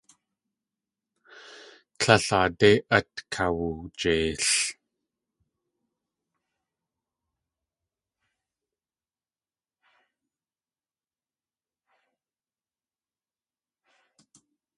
Tlél aadé at kawujeil.